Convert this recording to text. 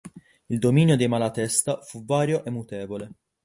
Il dominio dei Malatesta fu vario e mutevole.